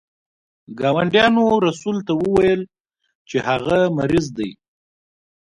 ګاونډیانو رسول ته وویل چې هغه مریض دی.